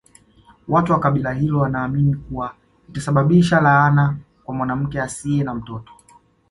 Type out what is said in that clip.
Watu wa kabila hilo wanaamini kuwa itasababisha laana kwa mwanamke asiye na mtoto